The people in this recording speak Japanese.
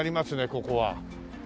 ここは。